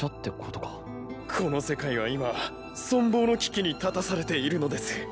この世界は今存亡の危機に立たされているのです。